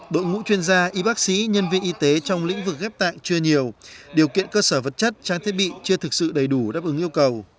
đội ngũ chuyên gia y bác sĩ nhân viên y tế trong lĩnh vực ghép tạng chưa nhiều điều kiện cơ sở vật chất trang thiết bị chưa thực sự đầy đủ đáp ứng yêu cầu